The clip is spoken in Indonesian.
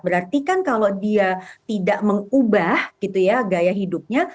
berarti kan kalau dia tidak mengubah gaya hidupnya